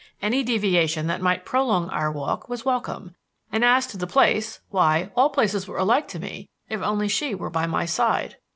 Any deviation that might prolong our walk was welcome, and as to the place why, all places were alike to me if only she were by my side.